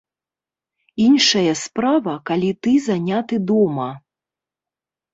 Іншая справа, калі ты заняты дома.